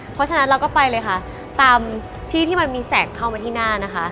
เพราะฉะนั้นเราก็ไปเลยค่ะตามที่ที่มันมีแสงเข้ามาที่หน้านะคะ